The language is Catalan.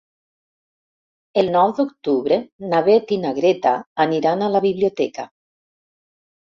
El nou d'octubre na Beth i na Greta aniran a la biblioteca.